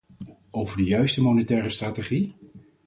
Over de juiste monetaire strategie?